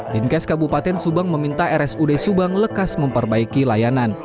dinkes kabupaten subang meminta rsud subang lekas memperbaiki layanan